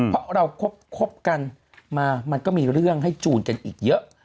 เพราะเราคบกันมามันก็มีเรื่องให้จูนกันอีกเยอะ